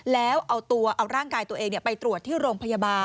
แล้วเอาตัวเอาร่างกายตัวเองไปตรวจที่โรงพยาบาล